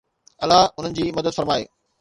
الله انهن جي مدد فرمائي